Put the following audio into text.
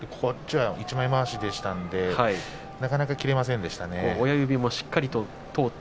一枚まわしでしたからなかなか切れませんでしたね。